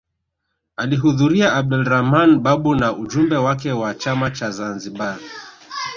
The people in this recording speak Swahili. Alihudhuria Abdulrahman Babu na ujumbe wake wa chama cha Zanzibar